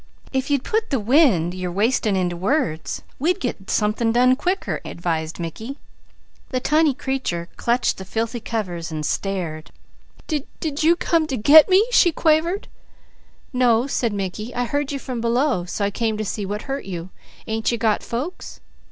"If you'd put the wind you're wastin' into words, we'd get something done quicker," advised Mickey. The tiny creature clutched the filthy covers, still staring. "Did you come to 'get' me?" she quavered. "No," said Mickey. "I heard you from below so I came to see what hurt you. Ain't you got folks?"